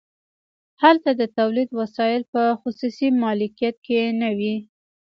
هلته د تولید وسایل په خصوصي مالکیت کې نه وي